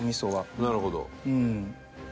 なるほど。